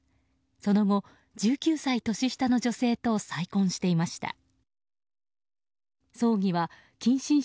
その後、１９歳年下の女性と再婚していました。